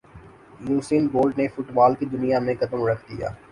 Usain bolt نے football کی دنیا میں قدم رکھ دیا